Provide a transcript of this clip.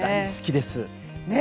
大好きです。